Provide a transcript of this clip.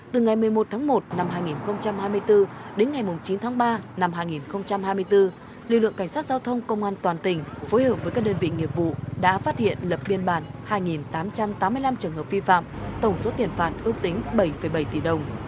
từ ngày một mươi một tháng một năm hai nghìn hai mươi bốn đến ngày chín tháng ba năm hai nghìn hai mươi bốn lực lượng cảnh sát giao thông công an toàn tỉnh phối hợp với các đơn vị nghiệp vụ đã phát hiện lập biên bản hai tám trăm tám mươi năm trường hợp vi phạm tổng số tiền phạt ước tính bảy bảy tỷ đồng